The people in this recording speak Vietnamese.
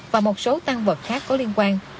và một số tăng vật khác có liên quan